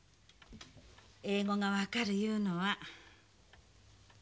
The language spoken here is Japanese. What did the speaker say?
英語が分かるいうのは。